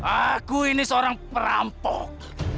aku ini seorang perampok